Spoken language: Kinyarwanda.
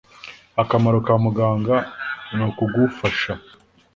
akamaro ka muganga n'ukugufasha